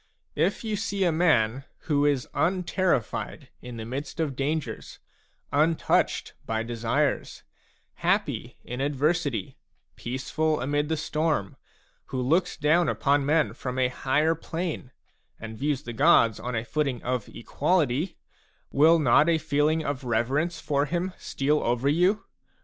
If you see a man who is unterrified in the midst of dangers, untouched by desires, happy in adversity, peaceful amid the storm, who looks down upon men from a higher plane, and views the gods on a footing of equality, will not a feeling of reverence for him steal over you